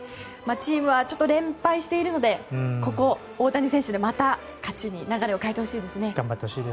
チームは連敗しているのでここ、大谷選手でまた、勝ちに流れを変えてほしいですね。